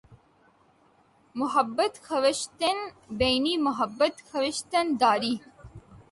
محبت خویشتن بینی محبت خویشتن داری